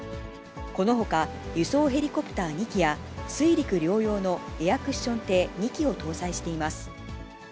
このほか輸送ヘリコプター２機や、水陸両用のエアクッション艇２機を搭載しています。